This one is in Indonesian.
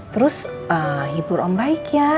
terus hibur om baik ya